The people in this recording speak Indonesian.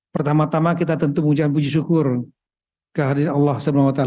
pertama tama kita tentu mengucapkan puji syukur kehadiran allah swt